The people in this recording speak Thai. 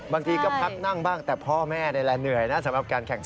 บางทีก็พักนั่งบ้างแต่พ่อแม่นี่แหละเหนื่อยนะสำหรับการแข่งขัน